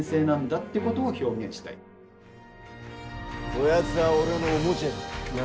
こやつは俺のおもちゃじゃ。